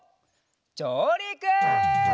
じょうりく！